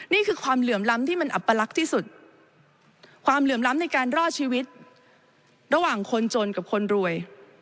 นี่คือความเหลื่อมล้ำที่มันอัปลักษณ์ที่สุดความเหลื่อมล้ำในการรอดชีวิตระหว่างคนจนกับคนรวย